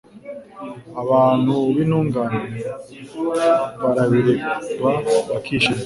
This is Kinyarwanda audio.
Abantu b’intungane barabireba bakishima